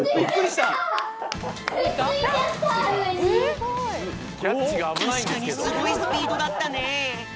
たしかにすごいスピードだったね。